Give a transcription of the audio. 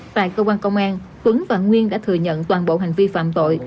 tại cơ quan công an tuấn và nguyên đã thừa nhận toàn bộ hành vi phạm tội